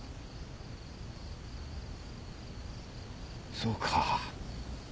そうか。